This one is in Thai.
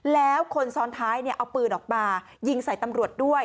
แล้วคนซ้อนท้ายเอาปืนออกมายิงใส่ตำรวจด้วย